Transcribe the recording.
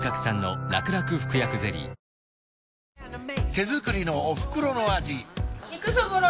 手作りのおふくろの味